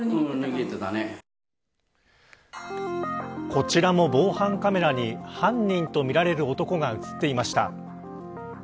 こちらも防犯カメラに犯人とみられる男が映っていました。